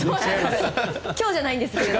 今日じゃないですけど。